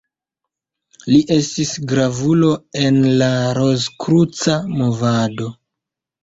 Li estis gravulo en la Rozkruca movado.